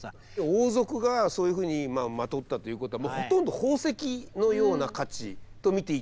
王族がそういうふうにまとったということはほとんど宝石のような価値と見ていいと思うんですよ。